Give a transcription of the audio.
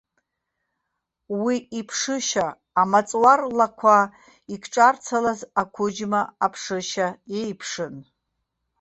Уи иԥшышьа амаҵуар лақәа икҿарцалаз ақәыџьма аԥшышьа еиԥшын.